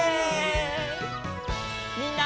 みんな。